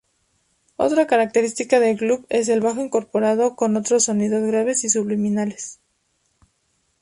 Otra característica del dub es el "bajo" incorporado con otros sonidos graves y subliminales.